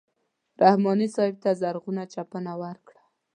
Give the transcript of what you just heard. رحماني صاحب ته زرغونه چپنه ورکړه.